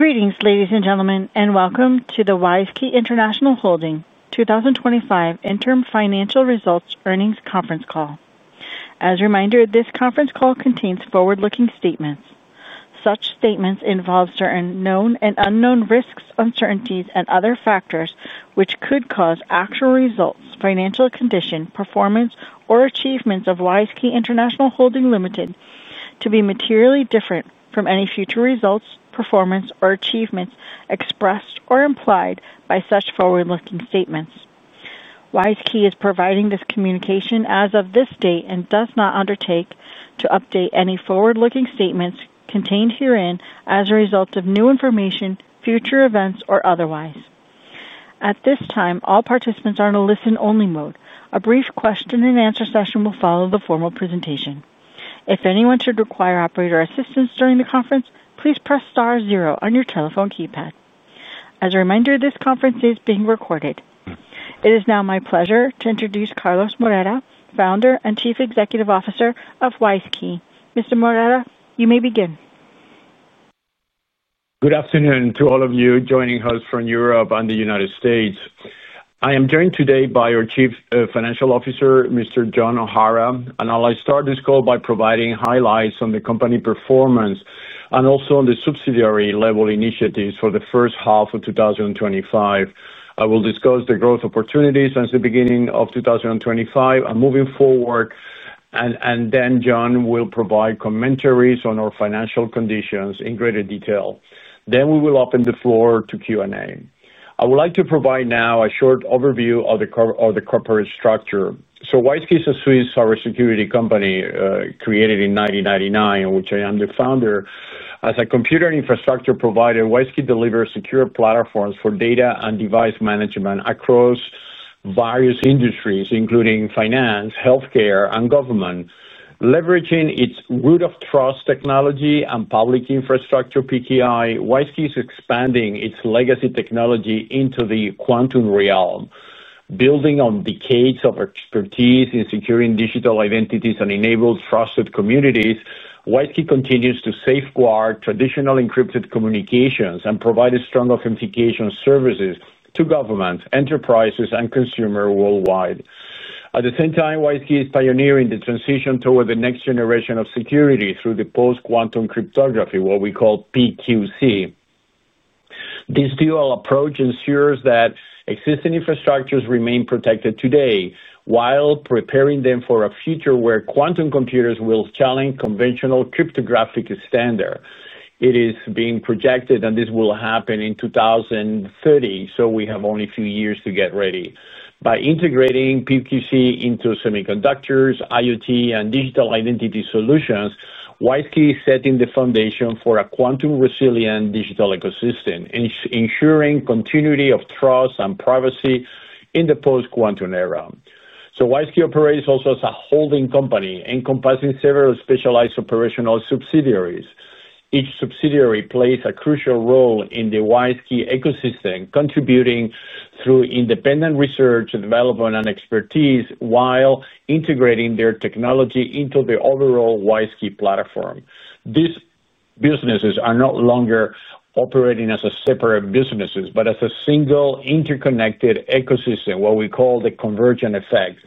Greetings, ladies and gentlemen, and welcome to the WISeKey International Holding 2025 Interim Financial Results Earnings Conference Call. As a reminder, this conference call contains forward-looking statements. Such statements involve certain known and unknown risks, uncertainties, and other factors which could cause actual results, financial condition, performance, or achievements of WISeKey International Holding Ltd. to be materially different from any future results, performance, or achievements expressed or implied by such forward-looking statements. WISeKey is providing this communication as of this date and does not undertake to update any forward-looking statements contained herein as a result of new information, future events, or otherwise. At this time, all participants are in a listen-only mode. A brief question and answer session will follow the formal presentation. If anyone should require operator assistance during the conference, please press star zero on your telephone keypad. As a reminder, this conference is being recorded. It is now my pleasure to introduce Carlos Moreira, Founder and Chief Executive Officer of WISeKey. Mr. Moreira, you may begin. Good afternoon to all of you joining us from Europe and the United States. I am joined today by our Chief Financial Officer, Mr. John O'Hara, and I'll start this call by providing highlights on the company performance and also on the subsidiary-level initiatives for the first half of 2025. I will discuss the growth opportunities since the beginning of 2025 and moving forward, and then John will provide commentaries on our financial conditions in greater detail. We will open the floor to Q&A. I would like to provide now a short overview of the corporate structure. WISeKey is a Swiss cybersecurity company created in 1999, in which I am the founder. As a computer infrastructure provider, WISeKey delivers secure platforms for data and device management across various industries, including finance, healthcare, and government. Leveraging its root-of-trust technology and public key infrastructure (PKI), WISeKey is expanding its legacy technology into the quantum realm. Building on decades of expertise in securing digital identities and enabling trusted communities, WISeKey continues to safeguard traditional encrypted communications and provide strong authentication services to governments, enterprises, and consumers worldwide. At the same time, WISeKey is pioneering the transition toward the next generation of security through post-quantum cryptography, what we call PQC. This dual approach ensures that existing infrastructures remain protected today while preparing them for a future where quantum computers will challenge conventional cryptographic standards. It is being projected that this will happen in 2030, so we have only a few years to get ready. By integrating PQC into semiconductors, IoT, and digital identity solutions, WISeKey is setting the foundation for a quantum-resilient digital ecosystem, ensuring continuity of trust and privacy in the post-quantum era. WISeKey operates also as a holding company, encompassing several specialized operational subsidiaries. Each subsidiary plays a crucial role in the WISeKey ecosystem, contributing through independent research, development, and expertise while integrating their technology into the overall WISeKey platform. These businesses are no longer operating as separate businesses, but as a single interconnected ecosystem, what we call the convergent effect.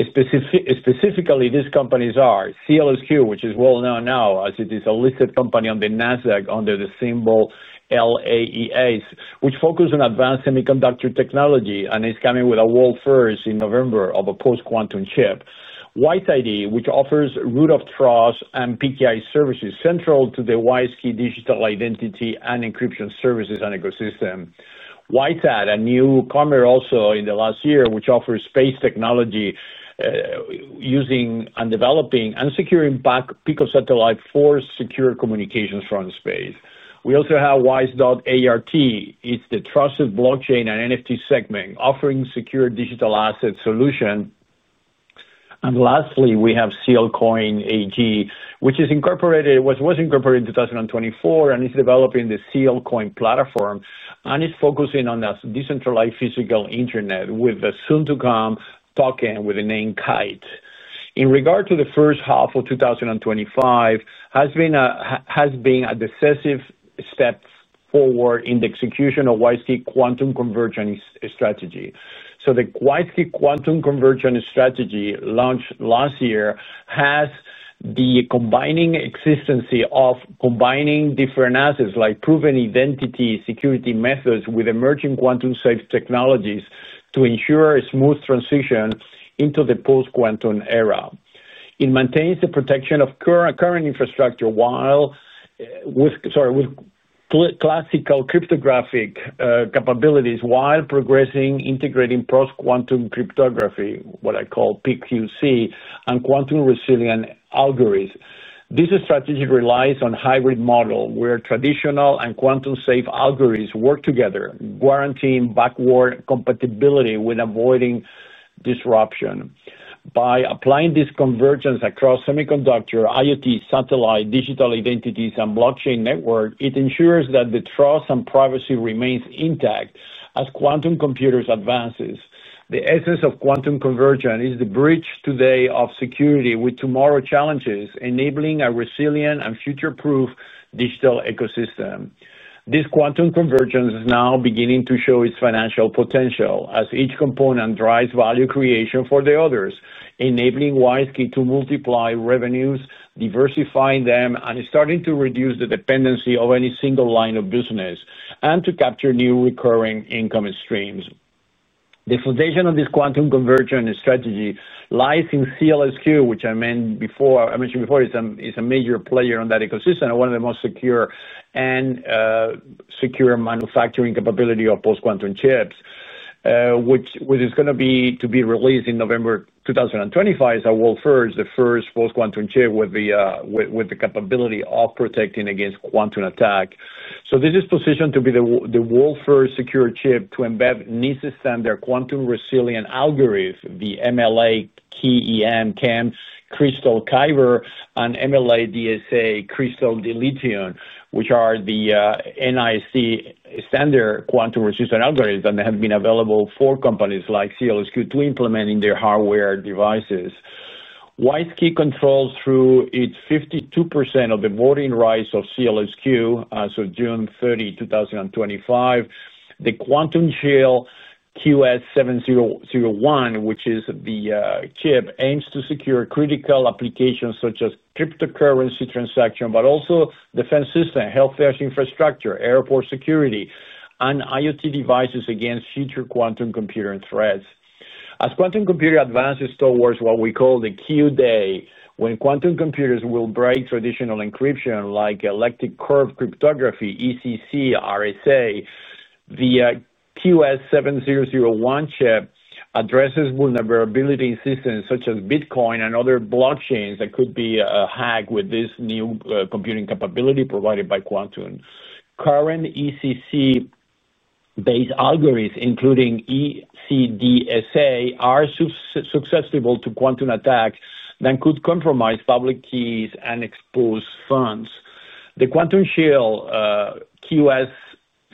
Specifically, these companies are CLSQ, which is well known now as it is a listed company on the NASDAQ under the symbol LAEAS, which focuses on advanced semiconductor technology and is coming with a world-first in November of a post-quantum chip. WISeID, which offers root-of-trust and PKI services central to the WISeKey digital identity and encryption services and ecosystem. WISeSat, a newcomer also in the last year, which offers space technology using and developing and securing back pico satellite for secure communications from space. We also have WISe.ART, it's the trusted blockchain and NFT segment offering secure digital asset solution. Lastly, we have SealCoin AG, which was incorporated in 2024 and is developing the SealCoin platform and is focusing on a decentralized physical internet with a soon-to-come token with the name KAIT. In regard to the first half of 2025, it has been a decisive step forward in the execution of WISeKey quantum convergence strategy. The WISeKey quantum convergence strategy launched last year combines the existence of combining different assets like proven identity security methods with emerging quantum-safe technologies to ensure a smooth transition into the post-quantum era. It maintains the protection of current infrastructure with classical cryptographic capabilities while progressing integrating post-quantum cryptography, what I call PQC, and quantum-resilient algorithms. This strategy relies on a hybrid model where traditional and quantum-safe algorithms work together, guaranteeing backward compatibility and avoiding disruption. By applying this convergence across semiconductor, IoT, satellite, digital identities, and blockchain networks, it ensures that the trust and privacy remain intact as quantum computers advance. The essence of quantum convergence is the bridge today of security with tomorrow's challenges, enabling a resilient and future-proof digital ecosystem. This quantum convergence is now beginning to show its financial potential as each component drives value creation for the others, enabling WISeKey to multiply revenues, diversifying them, and starting to reduce the dependency of any single line of business and to capture new recurring income streams. The foundation of this quantum convergence strategy lies in CLSQ, which I mentioned before. I mentioned before, it's a major player in that ecosystem and one of the most secure manufacturing capabilities of post-quantum chips, which is going to be released in November 2025. It's a world-first, the first post-quantum chip with the capability of protecting against quantum attacks. This is positioned to be the world-first secure chip to embed NIST-standard quantum-resilient algorithms, the ML-KEM, Kyber, and ML-DSA, Dilithium, which are the NIST-standard quantum-resistant algorithms that have been available for companies like CLSQ to implement in their hardware devices. WISeKey controls through its 52% of the voting rights of CLSQ as of June 30, 2025. The Quantum Shield QS7001, which is the chip, aims to secure critical applications such as cryptocurrency transactions, but also defense systems, healthcare infrastructure, airport security, and IoT devices against future quantum computing threats. As quantum computing advances towards what we call the Q-day, when quantum computers will break traditional encryption like elliptic curve cryptography, ECC, RSA, the QS7001 chip addresses vulnerability in systems such as Bitcoin and other blockchains that could be hacked with this new computing capability provided by quantum. Current ECC-based algorithms, including ECDSA, are susceptible to quantum attacks that could compromise public keys and expose funds. The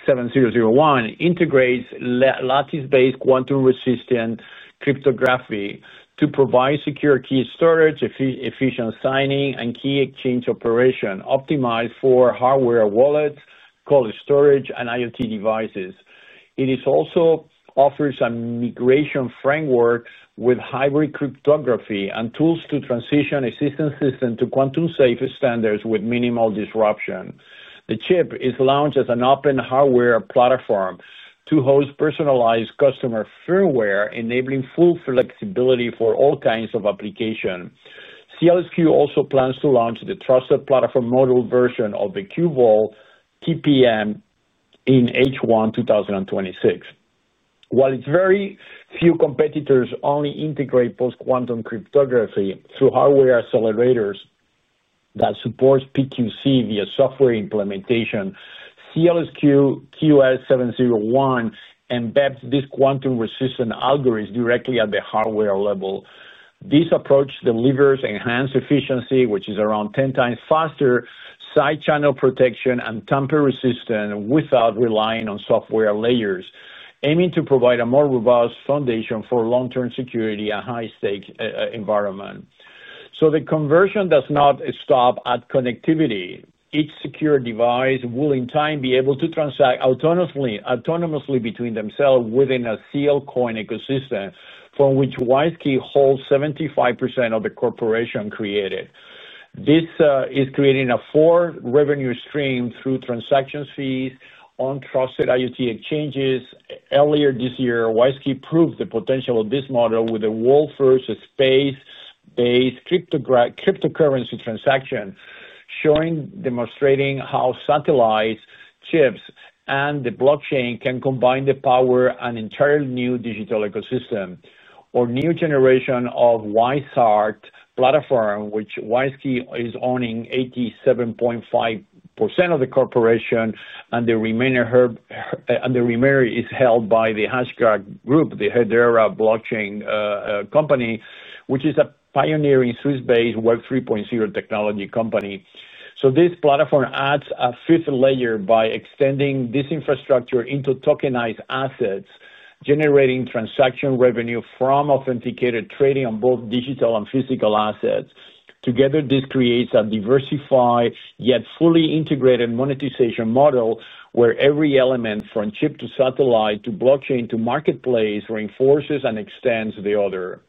Quantum Shield QS7001 integrates lattice-based quantum-resistant cryptography to provide secure key storage, efficient signing, and key exchange operation, optimized for hardware wallets, cold storage, and IoT devices. It also offers a migration framework with hybrid cryptography and tools to transition assistance systems to quantum-safe standards with minimal disruption. The chip is launched as an open hardware platform to host personalized customer firmware, enabling full flexibility for all kinds of applications. CLSQ also plans to launch the Trusted Platform Model version of the QVAULT TPM in H1 2026. While its very few competitors only integrate post-quantum cryptography through hardware accelerators that support PQC via software implementation, CLSQ QS7001 embeds this quantum-resistant algorithm directly at the hardware level. This approach delivers enhanced efficiency, which is around 10 times faster, side-channel protection, and tamper resistance without relying on software layers, aiming to provide a more robust foundation for long-term security and high-stakes environments. The conversion does not stop at connectivity. Each secure device will in time be able to transact autonomously between themselves within a SealCoin ecosystem, from which WISeKey holds 75% of the corporation created. This is creating a forward revenue stream through transaction fees on trusted IoT exchanges. Earlier this year, WISeKey proved the potential of this model with a world-first space-based cryptocurrency transaction, demonstrating how satellite chips and the blockchain can combine the power of an entirely new digital ecosystem or new generation of WISe.ART platform, which WISeKey is owning 87.5% of the corporation and the remaining is held by the Hashgraph Group, the Hedera blockchain company, which is a pioneering Swiss-based Web 3.0 technology company. This platform adds a fifth layer by extending this infrastructure into tokenized assets, generating transaction revenue from authenticated trading on both digital and physical assets. Together, this creates a diversified yet fully integrated monetization model where every element, from chip to satellite to blockchain to marketplace, reinforces and extends the other.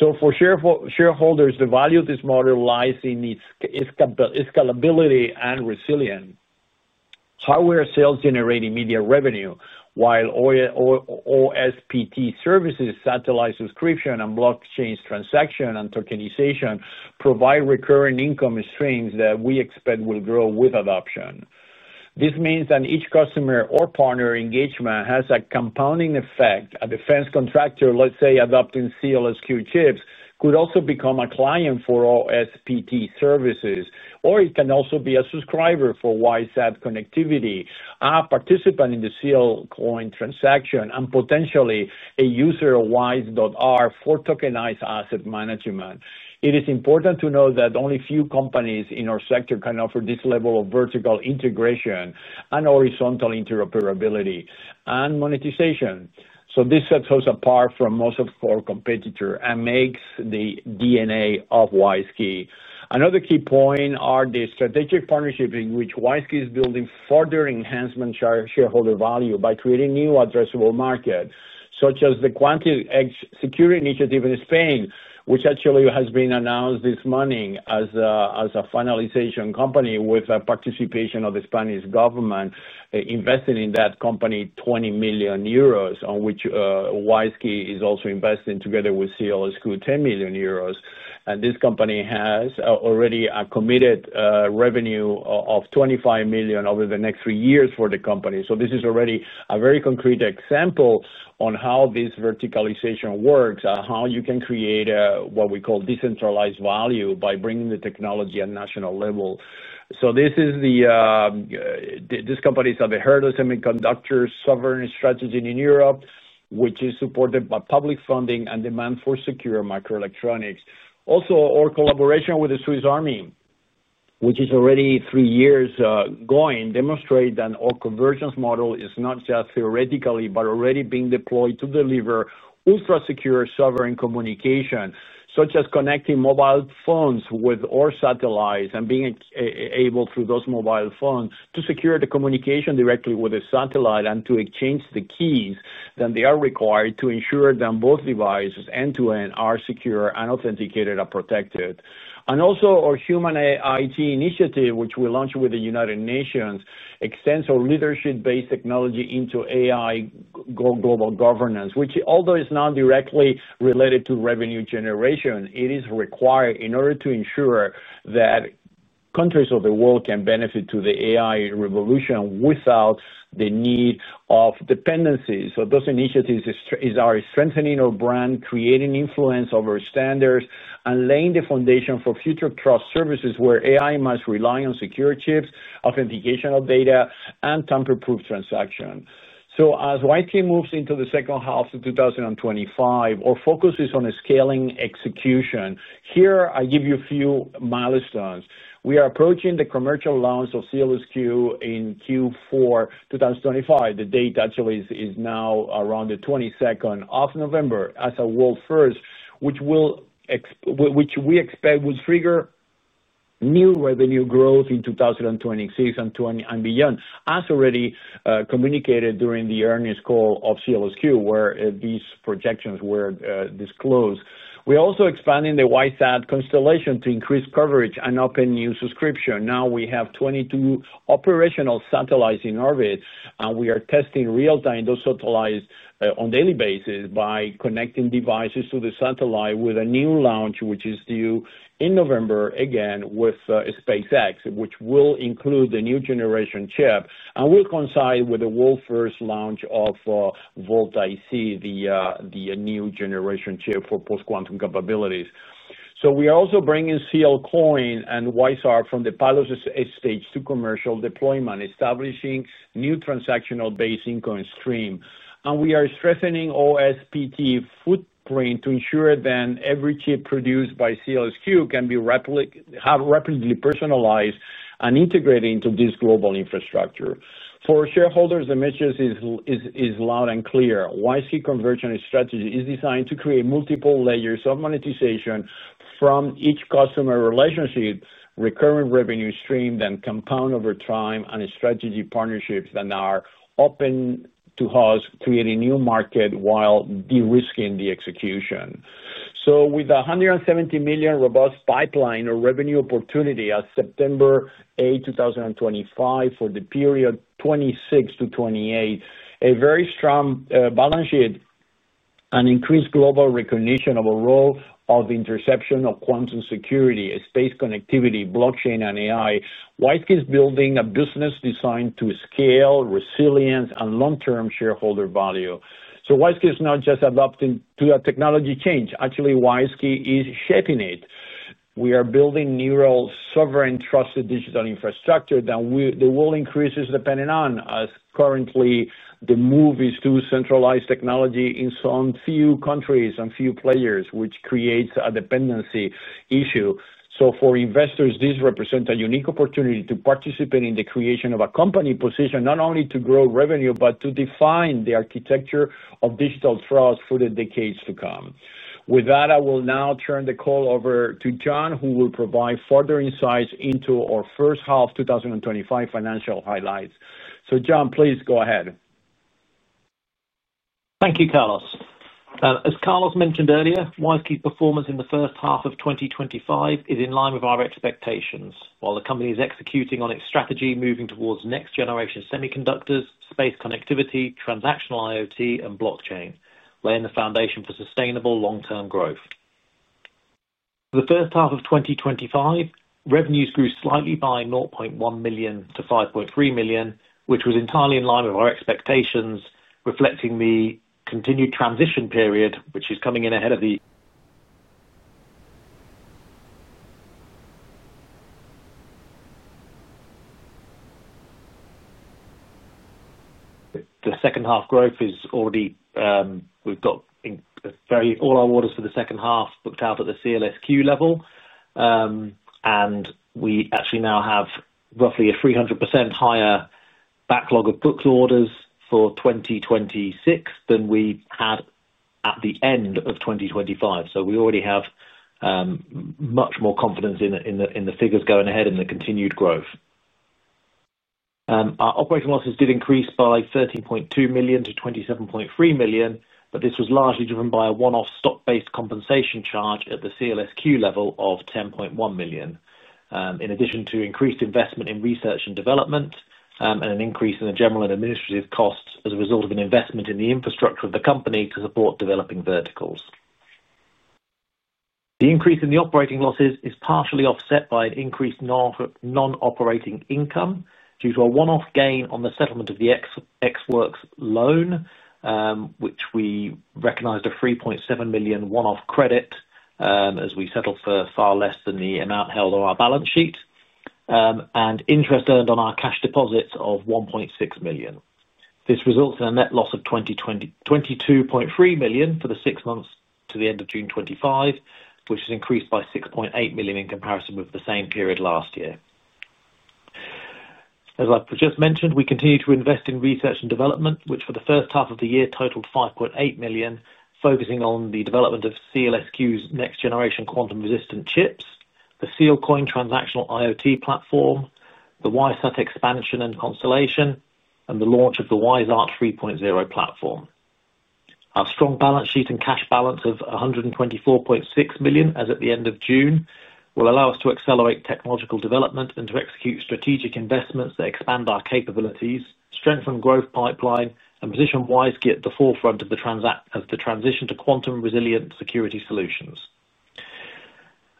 For shareholders, the value of this model lies in its scalability and resilience. Hardware sales generate immediate revenue, while OSPT services, satellite subscription, and blockchain transaction and tokenization provide recurring income streams that we expect will grow with adoption. This means that each customer or partner engagement has a compounding effect. A defense contractor, let's say, adopting CLSQ chips, could also become a client for OSPT services, or it can also be a subscriber for WISe.ART connectivity, a participant in the SealCoin transaction, and potentially a user of WISe.ART for tokenized asset management. It is important to note that only a few companies in our sector can offer this level of vertical integration and horizontal interoperability and monetization. This sets us apart from most of our competitors and makes the DNA of WISeKey. Another key point is the strategic partnership in which WISeKey is building further enhancement shareholder value by creating new addressable markets, such as the QuantumX security initiative in Spain, which actually has been announced this morning as a finalization company with the participation of the Spanish government investing in that company €20 million, on which WISeKey is also investing together with CLSQ €10 million. This company has already committed revenue of €25 million over the next three years for the company. This is already a very concrete example of how this verticalization works and how you can create what we call decentralized value by bringing the technology at a national level. This company is at the heart of semiconductor sovereign strategy in Europe, which is supported by public funding and demand for secure microelectronics. Also, our collaboration with the Swiss Army, which is already three years going, demonstrates that our convergence model is not just theoretical, but already being deployed to deliver ultra-secure sovereign communication, such as connecting mobile phones with our satellites and being able through those mobile phones to secure the communication directly with the satellite and to exchange the keys that they are required to ensure that both devices end-to-end are secure and authenticated and protected. Our Human IT initiative, which we launched with the United Nations, extends our leadership-based technology into AI global governance, which although is not directly related to revenue generation, it is required in order to ensure that countries of the world can benefit from the AI revolution without the need of dependencies. Those initiatives are strengthening our brand, creating influence over standards, and laying the foundation for future trust services where AI must rely on secure chips, authentication of data, and tamper-proof transactions. As WISeKey moves into the second half of 2025, our focus is on scaling execution. Here, I give you a few milestones. We are approaching the commercial launch of CLSQ in Q4 2025. The date actually is now around the 22nd of November as a world first, which we expect will trigger new revenue growth in 2026 and beyond, as already communicated during the earnings call of CLSQ where these projections were disclosed. We are also expanding the WISe.ART constellation to increase coverage and open new subscriptions. Now we have 22 operational satellites in orbit, and we are testing real-time those satellites on a daily basis by connecting devices to the satellite with a new launch, which is due in November again with SpaceX, which will include the new generation chip and will coincide with the world-first launch of Volta C, the new generation chip for post-quantum capabilities. We are also bringing SealCoin and WISe.ART from the pilot stage to commercial deployment, establishing new transactional-based income streams. We are strengthening OSPT footprint to ensure that every chip produced by CLSQ can be rapidly personalized and integrated into this global infrastructure. For shareholders, the message is loud and clear. WISeKey convergence strategy is designed to create multiple layers of monetization from each customer relationship, recurring revenue streams that compound over time, and strategic partnerships that are open to us, creating new markets while de-risking the execution. With a $170 million robust pipeline of revenue opportunities as of September 8, 2025 for the period 2026 to 2028, a very strong balance sheet and increased global recognition of our role of interception of quantum security, space connectivity, blockchain, and AI, WISeKey is building a business designed to scale, resilience, and long-term shareholder value. WISeKey is not just adopting to a technology change; actually, WISeKey is shaping it. We are building neural sovereign trusted digital infrastructure that the world increases depending on, as currently the move is to centralize technology in some few countries and few players, which creates a dependency issue. For investors, this represents a unique opportunity to participate in the creation of a company position, not only to grow revenue, but to define the architecture of digital trust for the decades to come. With that, I will now turn the call over to John, who will provide further insights into our first half of 2025 financial highlights. John, please go ahead. Thank you, Carlos. As Carlos mentioned earlier, WISeKey's performance in the first half of 2025 is in line with our expectations, while the company is executing on its strategy moving towards next-generation semiconductors, space connectivity, transactional IoT, and blockchain, laying the foundation for sustainable long-term growth. For the first half of 2025, revenues grew slightly by $0.1 million to $5.3 million, which was entirely in line with our expectations, reflecting the continued transition period, which is coming in ahead of the second half growth. We have all our orders for the second half booked out at the CLSQ level, and we actually now have roughly a 300% higher backlog of booked orders for 2026 than we had at the end of 2025. We already have much more confidence in the figures going ahead and the continued growth. Our operating losses did increase by $13.2 million to $27.3 million, but this was largely driven by a one-off stock-based compensation charge at the CLSQ level of $10.1 million, in addition to increased investment in research and development and an increase in the general and administrative costs as a result of an investment in the infrastructure of the company to support developing verticals. The increase in the operating losses is partially offset by an increased non-operating income due to a one-off gain on the settlement of the Xworks loan, which we recognized a $3.7 million one-off credit, as we settled for far less than the amount held on our balance sheet, and interest earned on our cash deposits of $1.6 million. This results in a net loss of $22.3 million for the six months to the end of June 2025, which has increased by $6.8 million in comparison with the same period last year. As I've just mentioned, we continue to invest in research and development, which for the first half of the year totaled $5.8 million, focusing on the development of CLSQ's next-generation quantum-resistant chips, the SealCoin transactional IoT platform, the WISe.ART expansion and constellation, and the launch of the WISe.ART 3.0 platform. Our strong balance sheet and cash balance of $124.6 million as at the end of June will allow us to accelerate technological development and to execute strategic investments that expand our capabilities, strengthen growth pipeline, and position WISeKey at the forefront of the transition to quantum-resilient security solutions.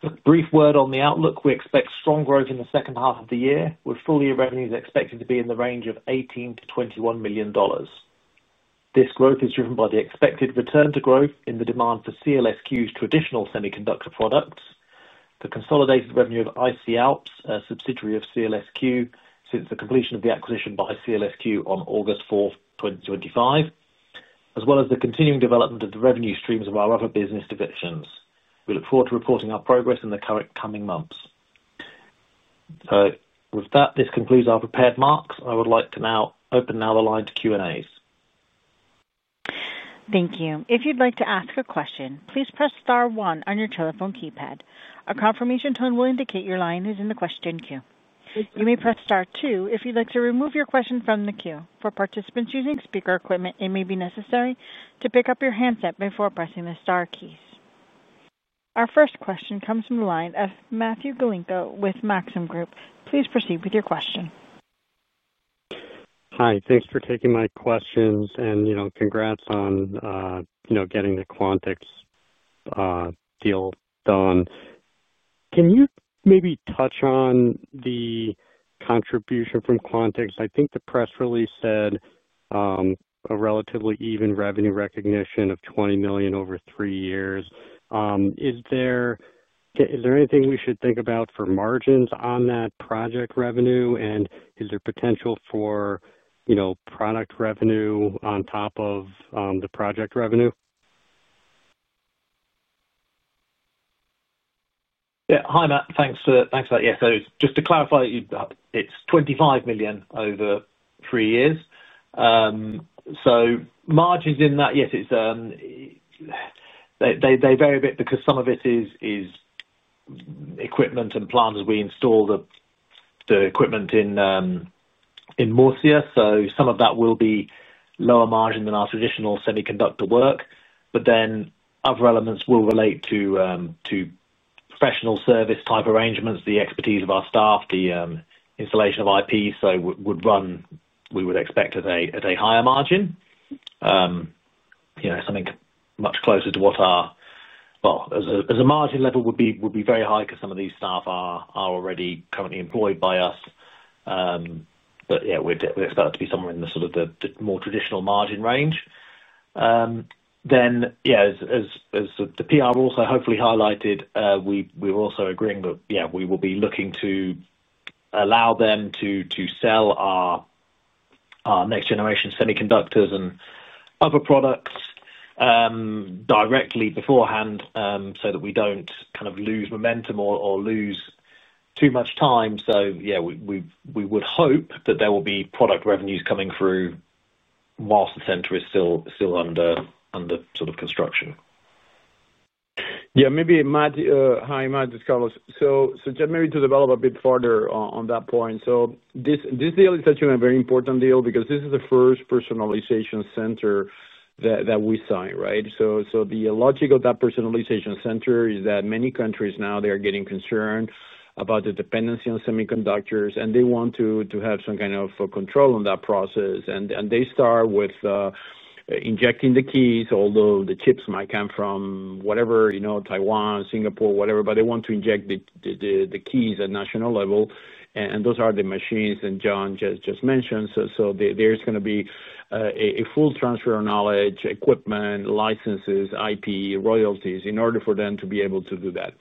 A brief word on the outlook. We expect strong growth in the second half of the year, with full-year revenues expected to be in the range of $18 to $21 million. This growth is driven by the expected return to growth in the demand for CLSQ's traditional semiconductor products, the consolidated revenue of IC'ALPS, a subsidiary of CLSQ since the completion of the acquisition by CLSQ on August 4, 2025, as well as the continuing development of the revenue streams of our other business divisions. We look forward to reporting our progress in the coming months. With that, this concludes our prepared marks. I would like to now open the line to Q&As. Thank you. If you'd like to ask a question, please press star one on your telephone keypad. A confirmation tone will indicate your line is in the question queue. You may press star two if you'd like to remove your question from the queue. For participants using speaker equipment, it may be necessary to pick up your handset before pressing the star keys. Our first question comes from the line of Matthew Galinko with Maxim Group. Please proceed with your question. Hi, thanks for taking my questions and congrats on getting the Quantix deal done. Can you maybe touch on the contribution from Quantix? I think the press release said a relatively even revenue recognition of $20 million over three years. Is there anything we should think about for margins on that project revenue? Is there potential for product revenue on top of the project revenue? Yeah, hi Matt. Thanks for that. Just to clarify, it's $25 million over three years. Margins in that, yes, they vary a bit because some of it is equipment and plans. We install the equipment in Murcia, so some of that will be lower margin than our traditional semiconductor work. Other elements will relate to professional service type arrangements, the expertise of our staff, the installation of IP. We would expect at a higher margin, you know, something much closer to what our, as a margin level, would be very high because some of these staff are already currently employed by us. We expect that to be somewhere in the more traditional margin range. As the PR also hopefully highlighted, we're also agreeing that we will be looking to allow them to sell our next generation semiconductors and other products directly beforehand so that we don't lose momentum or lose too much time. We would hope that there will be product revenues coming through whilst the center is still under construction. Yeah, maybe it might, hi, Matt, it's Carlos. Just maybe to develop a bit further on that point. This deal is actually a very important deal because this is the first personalization center that we signed, right? The logic of that personalization center is that many countries now are getting concerned about the dependency on semiconductors and they want to have some kind of control on that process. They start with injecting the keys, although the chips might come from whatever, you know, Taiwan, Singapore, whatever, but they want to inject the keys at a national level. Those are the machines that John just mentioned. There is going to be a full transfer of knowledge, equipment, licenses, IP, royalties in order for them to be able to do that.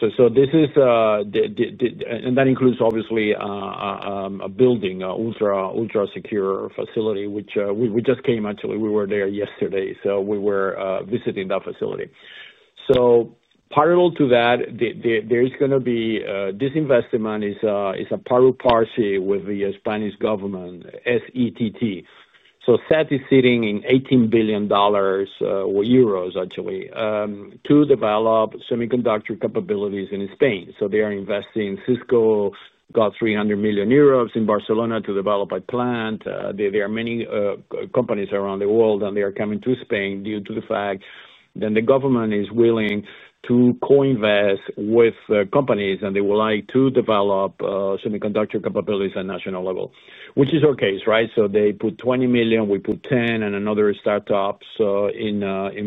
This includes obviously a building, an ultra-secure facility, which we just came, actually, we were there yesterday. We were visiting that facility. Parallel to that, this investment is a parallel party with the Spanish government, SETT. SETT is sitting in €18 billion, actually, to develop semiconductor capabilities in Spain. They are investing. Cisco got €300 million in Barcelona to develop a plant. There are many companies around the world and they are coming to Spain due to the fact that the government is willing to co-invest with companies and they would like to develop semiconductor capabilities at a national level, which is our case, right? They put €20 million, we put €10 million, and another startup in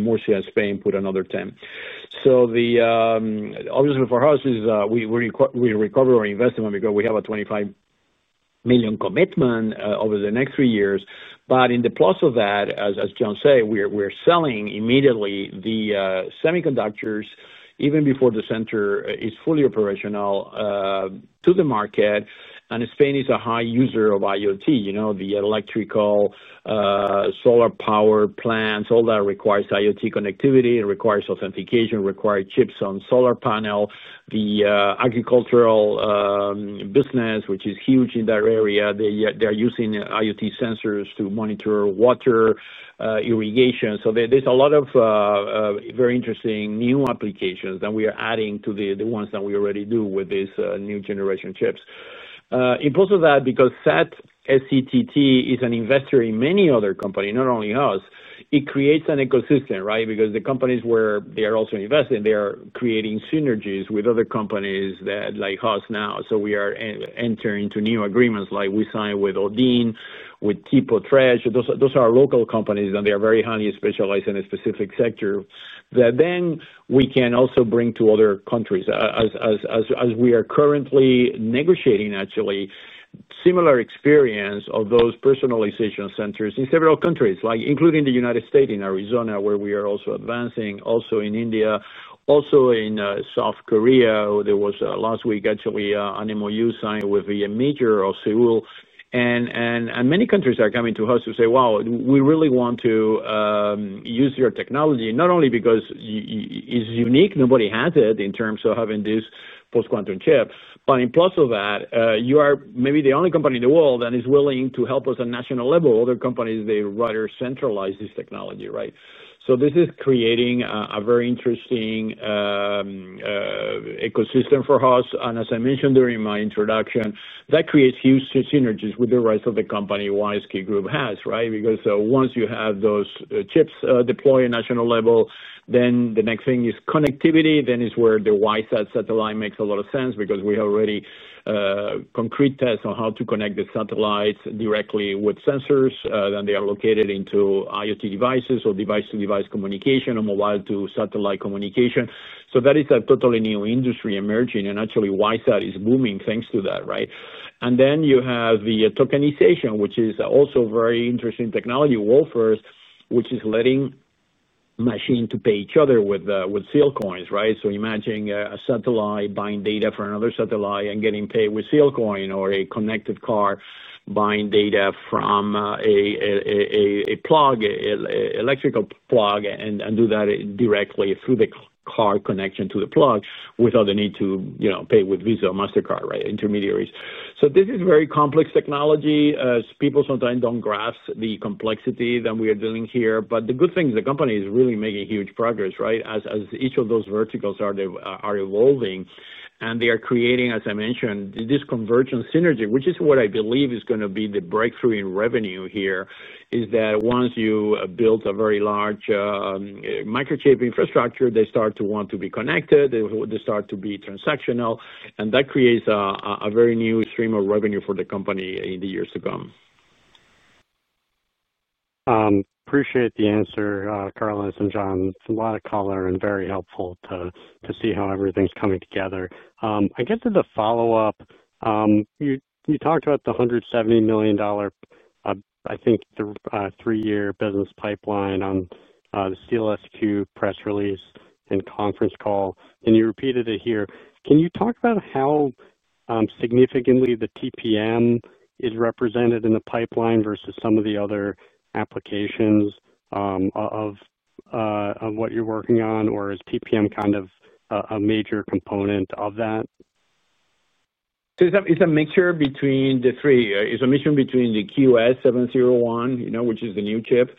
Murcia, Spain, put another €10 million. For us, we recover our investment because we have a €25 million commitment over the next three years. In the plus of that, as John said, we're selling immediately the semiconductors even before the center is fully operational to the market. Spain is a high user of IoT, you know, the electrical, solar power plants, all that requires IoT connectivity, requires authentication, requires chips on solar panels. The agricultural business, which is huge in that area, they are using IoT sensors to monitor water irrigation. There's a lot of very interesting new applications that we are adding to the ones that we already do with these new generation chips. In both of that, because SETT is an investor in many other companies, not only us, it creates an ecosystem, right? The companies where they are also investing are creating synergies with other companies that like us now. We are entering into new agreements like we signed with Audin, with TipoTrech. Those are local companies and they are very highly specialized in a specific sector that then we can also bring to other countries. We are currently negotiating a similar experience of those personalization centers in several countries, including the U.S. in Arizona, where we are also advancing, also in India, also in South Korea. Last week, actually, an MOU was signed with the mayor of Seoul. Many countries are coming to us to say, wow, we really want to use your technology, not only because it's unique, nobody has it in terms of having this post-quantum chip, but in addition to that, you are maybe the only company in the world that is willing to help us at a national level. Other companies would rather centralize this technology, right? This is creating a very interesting ecosystem for us. As I mentioned during my introduction, that creates huge synergies with the rest of the company WISeKey Group has, right? Once you have those chips deployed at a national level, the next thing is connectivity. That is where the WISeSat.Space satellite makes a lot of sense because we have already concrete tests on how to connect the satellites directly with sensors that are located into IoT devices or device-to-device communication or mobile-to-satellite communication. That is a totally new industry emerging and actually WISe.ART is booming thanks to that, right? Then you have the tokenization, which is also a very interesting technology, world-first, which is letting machines pay each other with SealCoin, right? Imagine a satellite buying data from another satellite and getting paid with SealCoin or a connected car buying data from a plug, an electrical plug, and doing that directly through the car connection to the plug without the need to pay with Visa or MasterCard, right? Intermediaries. This is very complex technology. People sometimes don't grasp the complexity that we are dealing with here, but the good thing is the company is really making huge progress, right? As each of those verticals are evolving and they are creating, as I mentioned, this convergence synergy, which is what I believe is going to be the breakthrough in revenue here. Once you build a very large microchip infrastructure, they start to want to be connected, they start to be transactional, and that creates a very new stream of revenue for the company in the years to come. Appreciate the answer, Carlos and John. It's a lot of color and very helpful to see how everything's coming together. I guess as a follow-up, you talked about the $170 million, I think the three-year business pipeline on the CLSQ press release and conference call, and you repeated it here. Can you talk about how significantly the TPM is represented in the pipeline versus some of the other applications of what you're working on, or is TPM kind of a major component of that? It's a mixture between the three. It's a mixture between the Quantum Shield QS7001, you know, which is the new chip,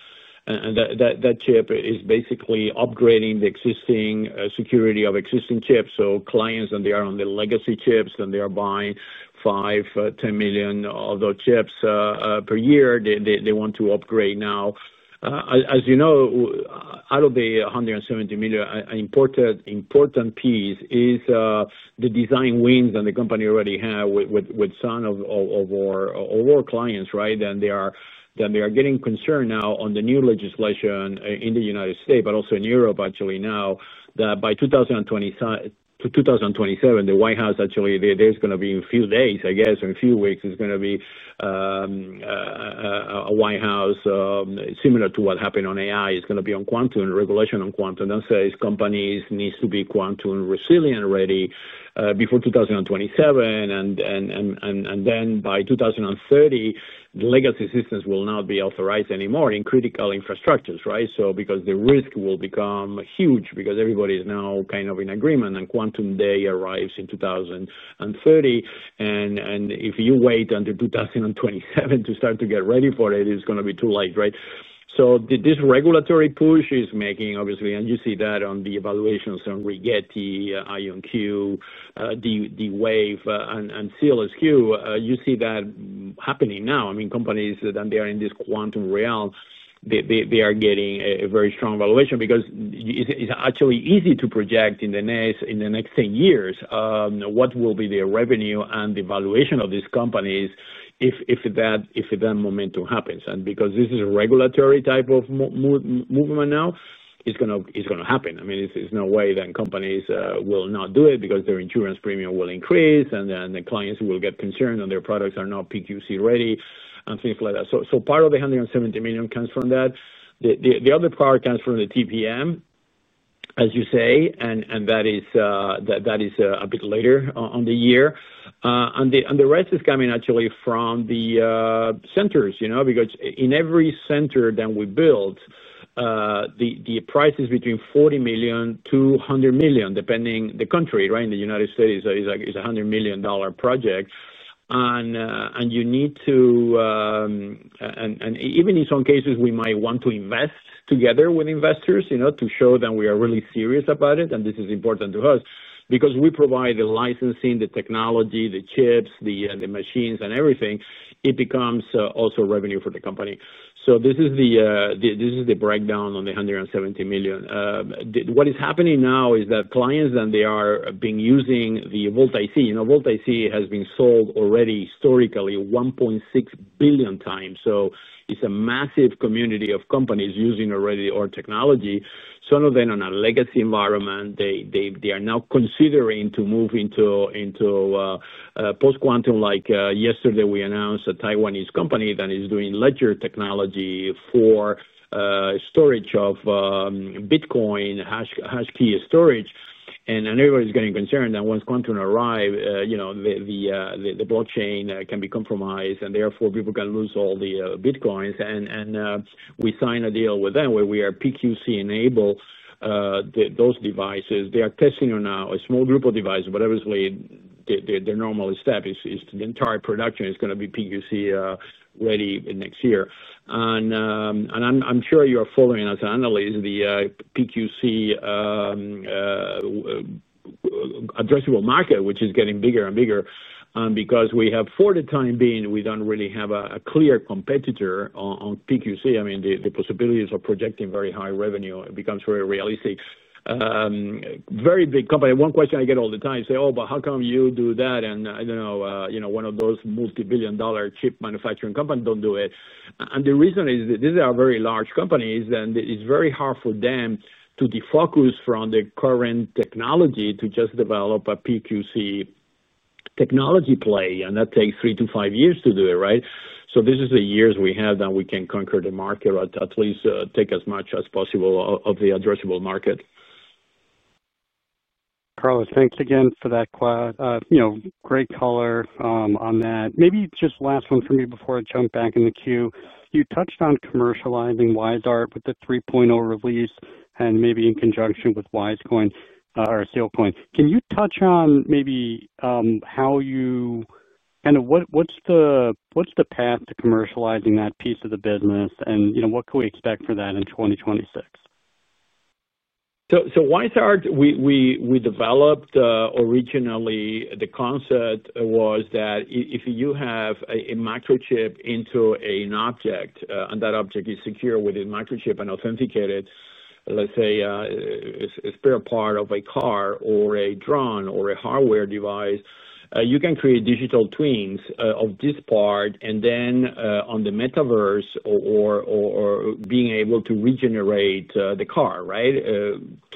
and that chip is basically upgrading the existing security of existing chips. Clients that are on the legacy chips and they are buying five, ten million of those chips per year, they want to upgrade now. As you know, out of the 170 million, an important piece is the design wins that the company already has with some of our clients, right? They are getting concerned now on the new legislation in the U.S., but also in Europe actually now, that by 2027, the White House actually, there's going to be in a few days, I guess, in a few weeks, there's going to be a White House similar to what happened on AI. It's going to be on quantum regulation on quantum. That says companies need to be quantum resilient already before 2027. By 2030, the legacy systems will not be authorized anymore in critical infrastructures, right? The risk will become huge because everybody is now kind of in agreement and quantum day arrives in 2030. If you wait until 2027 to start to get ready for it, it's going to be too late, right? This regulatory push is making obviously, and you see that on the evaluations on Rigetti, IonQ, D-Wave, and CLSQ, you see that happening now. Companies that are in this quantum realm, they are getting a very strong valuation because it's actually easy to project in the next 10 years what will be the revenue and the valuation of these companies if that momentum happens. Because this is a regulatory type of movement now, it's going to happen. There's no way that companies will not do it because their insurance premium will increase and the clients will get concerned and their products are not PQC ready and things like that. Part of the 170 million comes from that. The other part comes from the Trusted Platform Model (TPM) chips, as you say, and that is a bit later on the year. The rest is coming actually from the centers, you know, because in every center that we built, the price is between $40 million to $100 million, depending on the country, right? In the U.S., it's a $100 million project. Even in some cases, we might want to invest together with investors, you know, to show that we are really serious about it and this is important to us because we provide the licensing, the technology, the chips, the machines, and everything. It becomes also revenue for the company. This is the breakdown on the $170 million. What is happening now is that clients that are using the Volta C, you know, Volta C has been sold already historically 1.6 billion times. It's a massive community of companies using already our technology. Some of them are in a legacy environment. They are now considering to move into post-quantum, like yesterday we announced a Taiwanese company that is doing ledger technology for storage of Bitcoin, hash key storage. Everybody's getting concerned that once quantum arrives, the blockchain can be compromised and therefore people can lose all the Bitcoins. We signed a deal with them where we are PQC enabling those devices. They are testing now on a small group of devices, but obviously the normal step is the entire production is going to be PQC ready next year. I'm sure you are following as an analyst, the PQC addressable market, which is getting bigger and bigger. Because we have, for the time being, we don't really have a clear competitor on PQC, the possibilities of projecting very high revenue become very realistic. Very big company. One question I get all the time is, oh, but how come you do that? I don't know, one of those multi-billion dollar chip manufacturing companies don't do it. The reason is that these are very large companies and it's very hard for them to defocus from the current technology to just develop a PQC technology play and that takes three to five years to do it, right? These are the years we have that we can conquer the market or at least take as much as possible of the addressable market. Carlos, thanks again for that great color on that. Maybe just last one for me before I jump back in the queue. You touched on commercializing WISe.ART with the 3.0 release and maybe in conjunction with WISeCoin or SealCoin. Can you touch on maybe how you kind of, what's the path to commercializing that piece of the business and what can we expect for that in 2026? WISe.ART, we developed originally, the concept was that if you have a microchip into an object and that object is secured with a microchip and authenticated, let's say a spare part of a car or a drone or a hardware device, you can create digital twins of this part and then on the metaverse or being able to regenerate the car, right?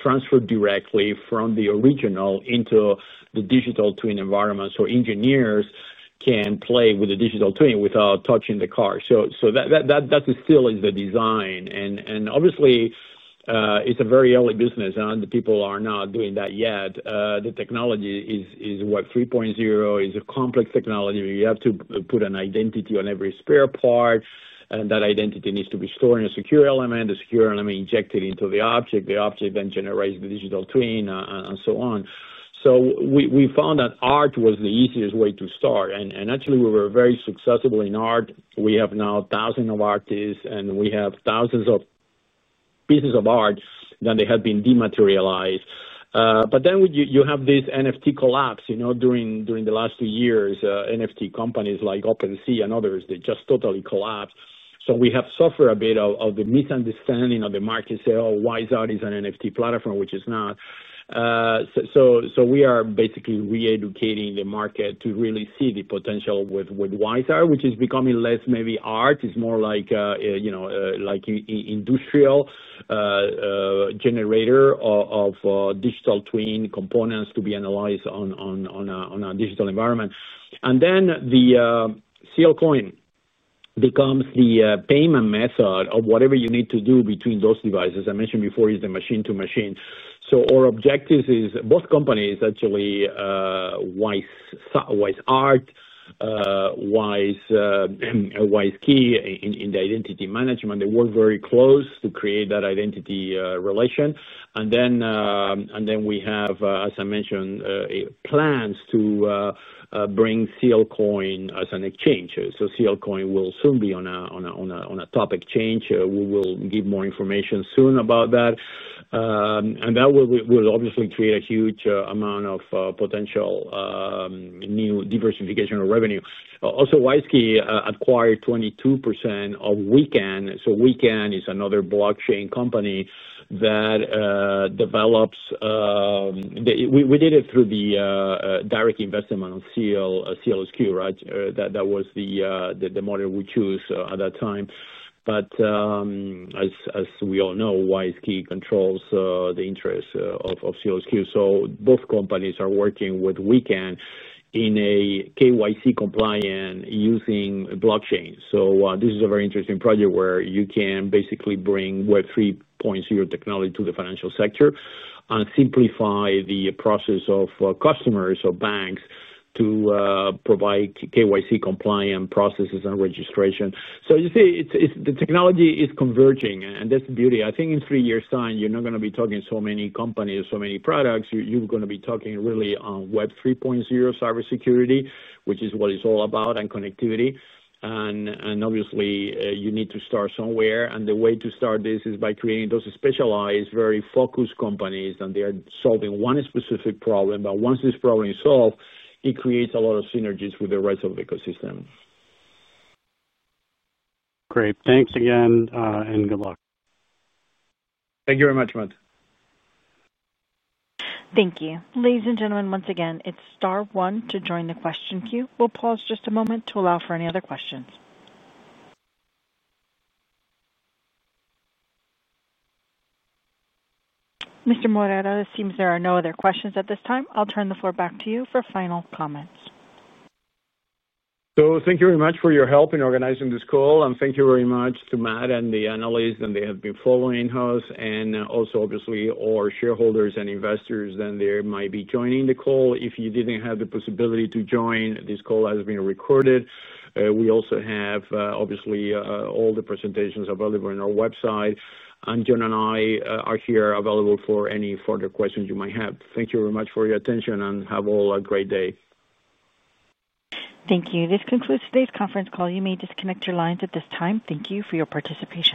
Transfer directly from the original into the digital twin environment so engineers can play with the digital twin without touching the car. That still is the design. Obviously, it's a very early business and other people are not doing that yet. The technology is Web 3.0, is a complex technology. You have to put an identity on every spare part and that identity needs to be stored in a secure element. The secure element injected into the object, the object then generates the digital twin and so on. We found that art was the easiest way to start. Actually, we were very successful in art. We have now thousands of artists and we have thousands of pieces of art that they had been dematerialized. Then you have this NFT collapse, you know, during the last two years, NFT companies like OpenSea and others, they just totally collapsed. We have suffered a bit of the misunderstanding of the market saying, oh, WISe.ART is an NFT platform, which it's not. We are basically reeducating the market to really see the potential with WISe.ART, which is becoming less maybe art, it's more like, you know, like an industrial generator of digital twin components to be analyzed on a digital environment. The SealCoin becomes the payment method of whatever you need to do between those devices. I mentioned before is the machine-to-machine. Our objective is both companies actually, WISe.ART, WISeKey in the identity management, they work very close to create that identity relation. We have, as I mentioned, plans to bring SealCoin as an exchange. SealCoin will soon be on a top exchange. We will give more information soon about that. That will obviously create a huge amount of potential new diversification of revenue. Also, WISeKey acquired 22% of WeCan. WeCan is another blockchain company that develops, we did it through the direct investment of CLSQ, right? That was the model we chose at that time. As we all know, WISeKey controls the interests of CLSQ. Both companies are working with WeCan in a KYC compliant using blockchain. This is a very interesting project where you can basically bring Web 3.0 technology to the financial sector and simplify the process of customers or banks to provide KYC compliant processes and registration. You see, the technology is converging and that's the beauty. I think in three years' time, you're not going to be talking so many companies or so many products. You're going to be talking really on Web 3.0 cybersecurity, which is what it's all about and connectivity. Obviously, you need to start somewhere. The way to start this is by creating those specialized, very focused companies that are solving one specific problem. Once this problem is solved, it creates a lot of synergies with the rest of the ecosystem. Great. Thanks again and good luck. Thank you very much, Matt. Thank you. Ladies and gentlemen, once again, it's star one to join the question queue. We'll pause just a moment to allow for any other questions. Mr. Moreira, it seems there are no other questions at this time. I'll turn the floor back to you for final comments. Thank you very much for your help in organizing this call. Thank you very much to Matt and the analysts that have been following us. Also, obviously, our shareholders and investors that might be joining the call. If you didn't have the possibility to join, this call has been recorded. We also have, obviously, all the presentations available on our website. John and I are here available for any further questions you might have. Thank you very much for your attention and have all a great day. Thank you. This concludes today's conference call. You may disconnect your lines at this time. Thank you for your participation.